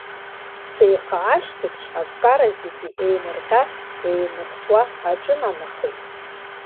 Сеиха ашьҭыбжь аккара зегьы еимырҟьа-еимырсуа аҿынанахеит.